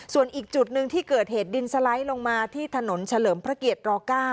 ส่วนอีกจุดหนึ่งที่เกิดเหตุดินสไลด์ลงมาที่ถนนเฉลิมพระเกียรติร๙